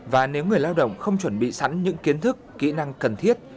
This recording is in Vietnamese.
và nếu người lao động không chuẩn bị sẵn những kiến thức kỹ năng cần thiết